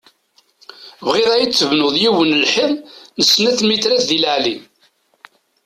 Bɣiɣ ad iyi-tebnuḍ yiwen n lḥiḍ n snat lmitrat di leɛli.